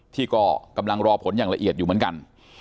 ที่ก็กำลังรอผลอย่างละเอียดอยู่เหมือนกัน